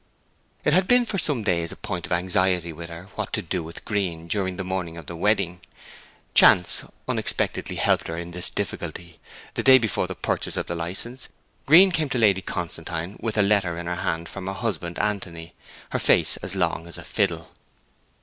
It had been for some days a point of anxiety with her what to do with Green during the morning of the wedding. Chance unexpectedly helped her in this difficulty. The day before the purchase of the license Green came to Lady Constantine with a letter in her hand from her husband Anthony, her face as long as a fiddle.